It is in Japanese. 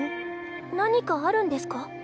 何かあるんですか？